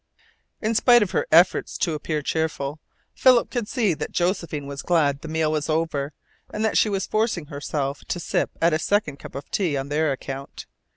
In spite of her efforts to appear cheerful, Philip could see that Josephine was glad when the meal was over, and that she was forcing herself to sip at a second cup of tea on their account.